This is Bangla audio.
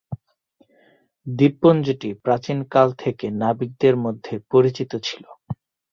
দ্বীপপুঞ্জটি প্রাচীন কাল থেকে নাবিকদের মধ্যে পরিচিত ছিল।